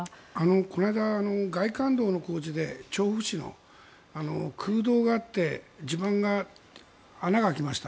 この間、外環道の工事で調布市の空洞があって地盤に穴が開きました。